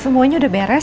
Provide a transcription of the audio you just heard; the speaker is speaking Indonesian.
semuanya udah beres